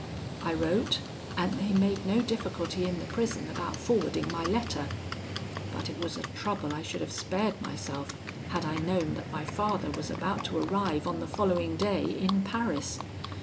I wrote, and they made no difficulty in the prison about forwarding my letter; but it was a trouble I should have spared myself, had I known that my father was about to arrive on the following day in Paris.